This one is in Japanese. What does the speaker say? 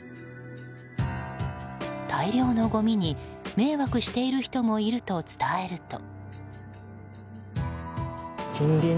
大量のごみに迷惑している人もいると伝えると。